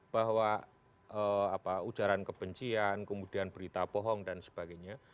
bahwa ujaran kebencian kemudian berita bohong dan sebagainya